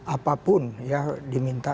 apapun ya diminta